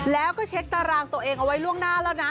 แล้วก็เช็คตารางตัวเองเอาไว้ล่วงหน้าแล้วนะ